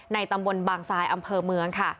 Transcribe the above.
ตำบลบางทรายอำเภอเมืองค่ะ